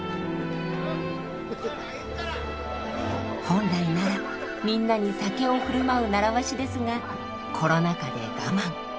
本来ならみんなに酒を振る舞う習わしですがコロナ禍で我慢。